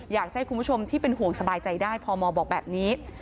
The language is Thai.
อยากให้คุณผู้ชมที่เป็นห่วงสบายใจได้พมบอกแบบนี้